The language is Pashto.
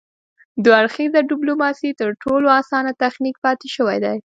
دوه اړخیزه ډیپلوماسي تر ټولو اسانه تخنیک پاتې شوی دی